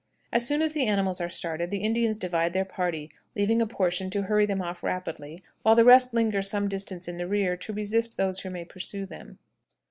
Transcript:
As soon as the animals are started the Indians divide their party, leaving a portion to hurry them off rapidly, while the rest linger some distance in the rear, to resist those who may pursue them.